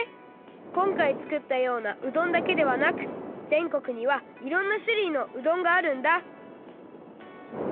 こんかい作ったようなうどんだけではなく全国にはいろんなしゅるいのうどんがあるんだ！